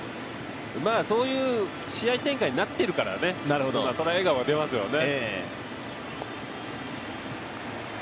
そういう試合展開になっているからね、それは笑顔は出ますよね。